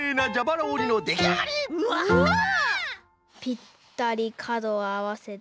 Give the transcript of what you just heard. ぴったりかどをあわせて。